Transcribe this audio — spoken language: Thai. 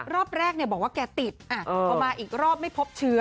รอบแรกบอกว่าแกติดพอมาอีกรอบไม่พบเชื้อ